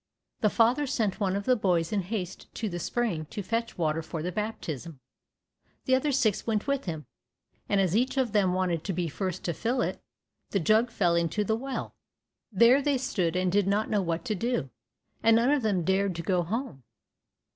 The father sent one of the boys in haste to the spring to fetch water for the baptism. The other six went with him, and as each of them wanted to be first to fill it, the jug fell into the well. There they stood and did not know what to do, and none of them dared to go home.